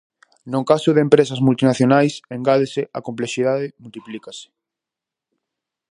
No caso de empresas multinacionais, engádese, a complexidade multiplícase.